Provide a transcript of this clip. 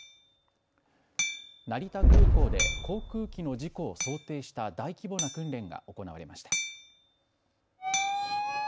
成田空港で航空機の事故を想定した大規模な訓練が行われました。